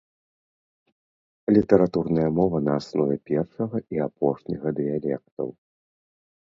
Літаратурная мова на аснове першага і апошняга дыялектаў.